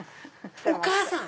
お母さん！